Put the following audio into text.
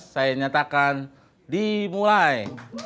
saya nyatakan dimulai